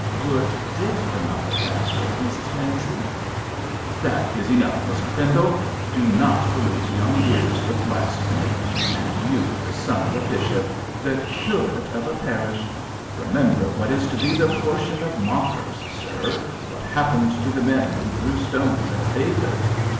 'Good did come out of Nazareth, Mrs Pansey.' 'That is enough, Mr Pendle; do not pollute young ears with blasphemy. And you the son of a bishop the curate of a parish! Remember what is to be the portion of mockers, sir. What happened to the men who threw stones at David?'